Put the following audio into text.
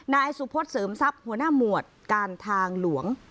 นายสุพศเสริมทรัพย์หัวหน้าหมวดการทางหลวง